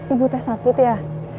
ibu teh sakit ya